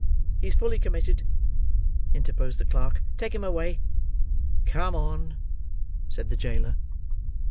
He's fully committed!" interposed the clerk. "Take him away." "Come on," said the jailer.